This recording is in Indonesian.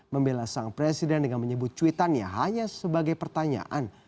membela sang presiden dengan menyebut cuitannya hanya sebagai pertanyaan